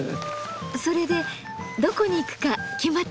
それでどこに行くか決まったんですか？